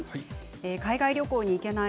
海外旅行に行けない